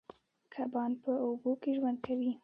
کبان په اوبو کې ژوند کوي